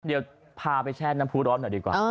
เดี๋ยวพาไปแช่น้ำผู้ร้อนหน่อยดีกว่า